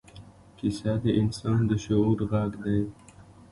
کیسه د انسان د شعور غږ دی.